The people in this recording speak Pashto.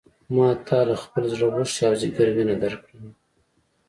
ما تا له خپل زړه غوښې او ځیګر وینه درکړه.